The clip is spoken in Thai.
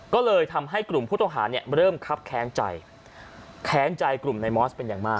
ก็เลยทำให้กลุ่มผู้ต้องหาเนี่ยเริ่มครับแค้นใจแค้นใจกลุ่มในมอสเป็นอย่างมาก